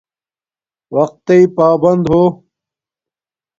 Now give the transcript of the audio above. وقت تݵ پابند ہو